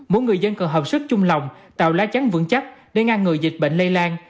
mỗi người dân cần hợp sức chung lòng tạo lá chắn vững chắc để ngăn ngừa dịch bệnh lây lan